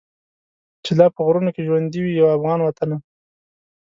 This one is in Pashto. چي لا په غرونو کي ژوندی وي یو افغان وطنه.